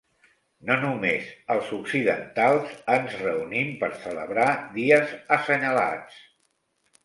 No només els occidentals ens reunim per celebrar dies assenyalats.